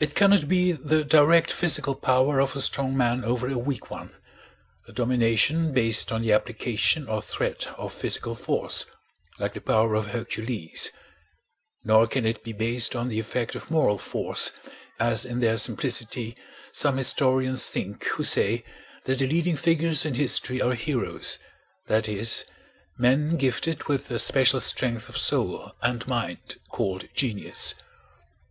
It cannot be the direct physical power of a strong man over a weak one—a domination based on the application or threat of physical force, like the power of Hercules; nor can it be based on the effect of moral force, as in their simplicity some historians think who say that the leading figures in history are heroes, that is, men gifted with a special strength of soul and mind called genius.